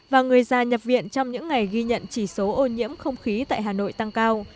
và người già nhập viện trong những ngày ghi nhận chỉ số ô nhiễm không khí tại hà nội tăng cao